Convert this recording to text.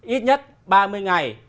ít nhất ba mươi ngày